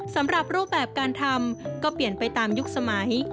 สำหรับรูปแบบการทำก็เปลี่ยนไปตามยุคสมัย